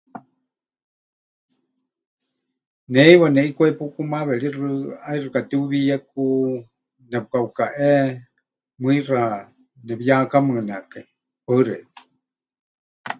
Ne heiwa neʼikwai pukumaaweríxɨ ʼaixɨ katiuwiiyeku, nepɨkaʼukaʼe, mɨixa nepɨyehaakamɨnekai. Paɨ xeikɨ́a.